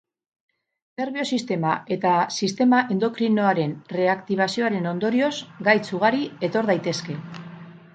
Nerbio-sistema eta sistema endokrinoaren reaktibazioaren ondorioz gaitz ugari etor daitezke.